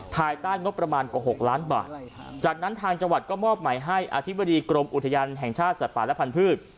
ภายใต้งบประมาณกว่า๖ล้านบาทจากนั้นทางจังหวัดก็มอบหมายให้อธิบดีกรมอุทยานแห่งชาติสัตว์ป่าและพันธุ์